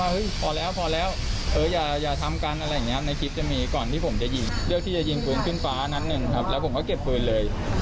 รู้สึกยังไงที่เราโดนแจ้งข้อหาคือ